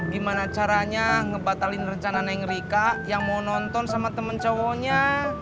gimana caranya ngebatalin rencana naik ngerika yang mau nonton sama temen cowonya